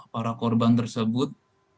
para korban tersebut